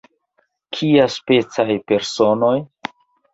Kiaspecaj personoj?